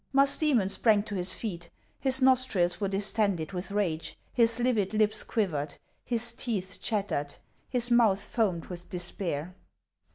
Musdoemon sprang to his feet; his nostrils were dis tended with rage ; his livid lips quivered ; his teeth chattered ; his mouth foamed with despair.